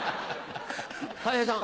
たい平さん。